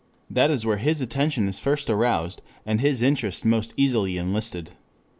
That is where his attention is first aroused, and his interest most easily enlisted.